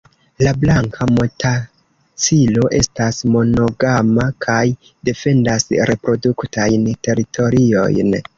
La Blanka motacilo estas monogama kaj defendas reproduktajn teritoriojn.